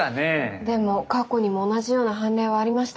でも過去にも同じような判例はありましたけど。